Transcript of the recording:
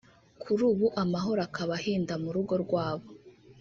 kuri ubu amahoro akaba ahinda mu rugo rwabo